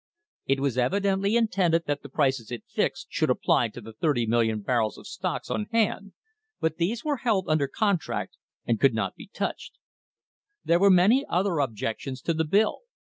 It was evidently intended that the prices it fixed should apply to the 30,000,000 barrels of stocks on hand, but these were held under contract, and could not be touched. There were many other objections to the bill.